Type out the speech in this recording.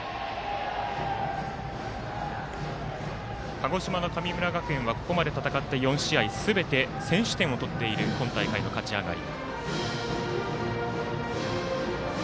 鹿児島の神村学園はここまで戦った４試合すべて先取点を取っている今大会の勝ち上がり。